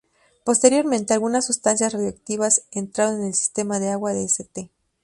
Posteriormente, algunas sustancias radioactivas entraron en el sistema de agua de St.